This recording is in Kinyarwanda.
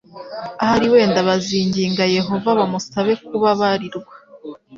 Ahari wenda bazinginga Yehova bamusaba kuba barirwa